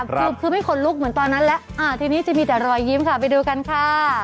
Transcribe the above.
คือไม่ขนลุกเหมือนตอนนั้นแล้วทีนี้จะมีแต่รอยยิ้มค่ะไปดูกันค่ะ